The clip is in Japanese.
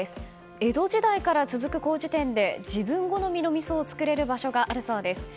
江戸時代から続く麹店で自分好みのみそを造れる場所があるそうです。